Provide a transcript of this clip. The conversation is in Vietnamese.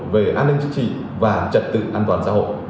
về an ninh chính trị và trật tự an toàn xã hội